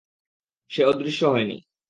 সে অদৃশ্য হয়নি।